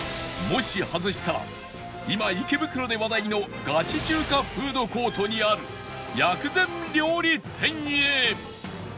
今池袋で話題のガチ中華フードコートにある薬膳料理店へ